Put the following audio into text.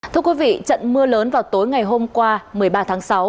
thưa quý vị trận mưa lớn vào tối ngày hôm qua một mươi ba tháng sáu